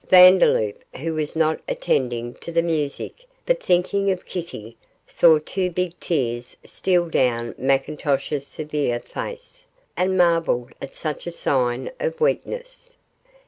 Vandeloup, who was not attending to the music, but thinking of Kitty, saw two big tears steal down McIntosh's severe face, and marvelled at such a sign of weakness.